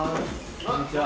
こんにちは。